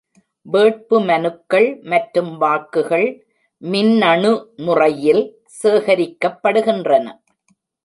வேட்பு மனுக்கள் மற்றும் வாக்குகள் மின்னணு முறையில் சேகரிக்கப்படுகின்றன.